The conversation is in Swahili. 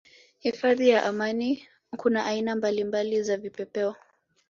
Hifadhi ya Amani kuna aina mbalimbali za vipepeo